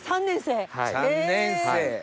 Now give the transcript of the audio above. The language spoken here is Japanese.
３年生！